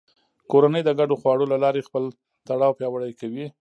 کورنۍ د ګډو خواړو له لارې خپل تړاو پیاوړی کوي